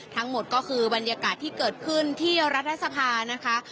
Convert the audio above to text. ทั้งหมดก็คือบรรยากาศที่เกิดขึ้นที่รัฐสภานะคะ